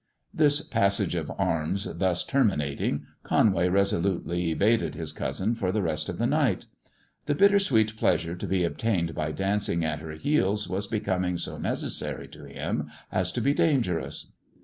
This passage of arms thus terminating, Conway resolutely evaded his cousin for the rest of the night. The bitter sweet pleasure to be obtained by dancing at her heels was becoming so necessary to him as to be dangerous.